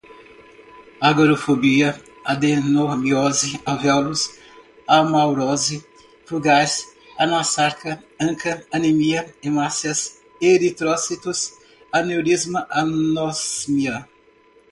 agorafobia, adenomiose, alvéolos, amaurose fugaz, anasarca, anca, anemia, hemácias, eritrócitos, aneurisma, anosmia